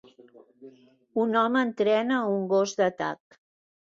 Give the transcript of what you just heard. Un home entrena a un gos d'atac.